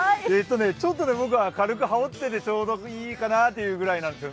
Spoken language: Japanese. ちょっと僕は軽く羽織ってちょうどいいかなというくらいです。